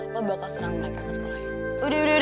lu bakal serang mereka ke sekolahnya